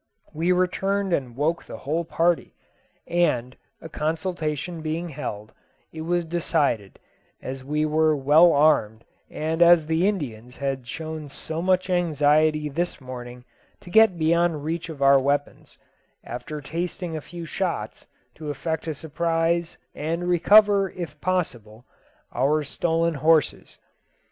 We returned and woke the whole party; and, a consultation being held, it was decided, as we were well armed, and as the Indians had shown so much anxiety this morning to get beyond reach of our weapons, after tasting a few shots, to effect a surprise, and recover, if possible, our stolen horses.